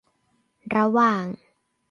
ระหว่าง